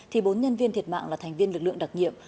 thì bốn nhân viên thiệt mạng là thành viên lực lượng đặc nhiệm